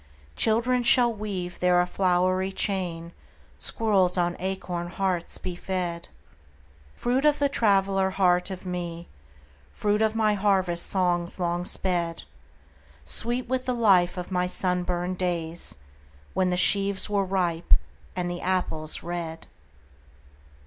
Children shall weave there a flowery chain, Squirrels on acorn hearts be fed:— Fruit of the traveller heart of me, Fruit of my harvest songs long sped: Sweet with the life of my sunburned days When the sheaves were ripe, and the apples red.